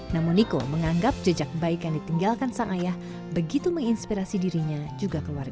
namun niko menganggap jejak baik yang ditinggalkan sang ayah begitu menginspirasi dirinya juga keluarga